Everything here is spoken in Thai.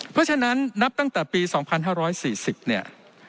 เพราะฉะนั้นนับตั้งแต่ปี๒๕๔๐เนี่ย